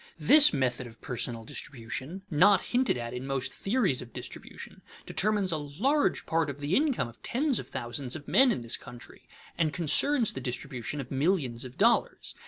This method of personal distribution, not hinted at in most theories of distribution, determines a large part of the income of tens of thousands of men in this country and concerns the distribution of millions of dollars.